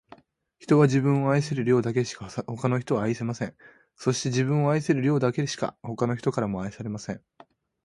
人は、自分を愛せる量だけしか、他の人を愛せません。そして、自分を愛せる量だけしか、他の人からも愛されません。